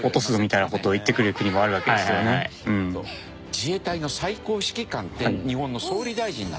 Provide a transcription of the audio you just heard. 自衛隊の最高指揮官って日本の総理大臣なんですよ。